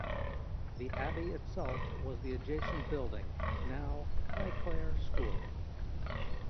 The abbey itself was the adjacent building, now Highclare School.